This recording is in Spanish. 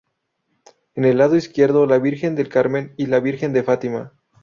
En el lado izquierdo La Virgen del Carmen y La Virgen de Fátima.